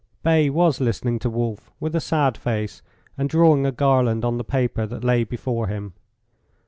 Bay was listening to Wolf with a sad face and drawing a garland on the paper that lay before him.